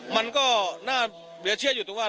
มันก็น่าเบียดเชื่ออยู่ตรงนั้นว่า